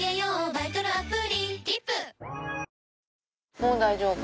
もう大丈夫？